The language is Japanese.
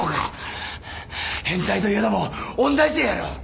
変態といえども音大生やろ！